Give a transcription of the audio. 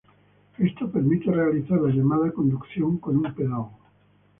Esto permite realizar la llamada conducción con un pedal.